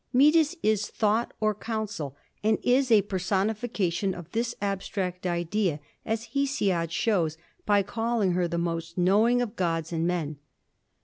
Metis is Thought or Counsel and is a personification of this abstract idea as Hesiod shows by calling her the most knowing of gods and men.